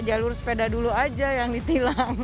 jalur sepeda dulu aja yang ditilang